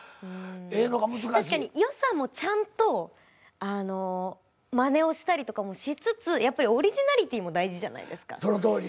確かに良さもちゃんとまねをしたりとかもしつつやっぱりオリジナリティーも大事じゃないですか。